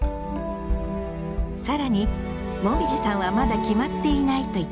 更にもみじさんはまだ決まっていないと言っていた「志望校」。